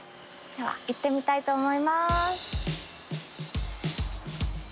では行ってみたいと思います。